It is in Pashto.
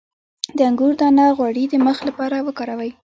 د انګور دانه غوړي د مخ لپاره وکاروئ